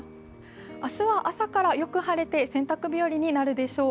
明日は朝からよく晴れて洗濯日和になるでしょう。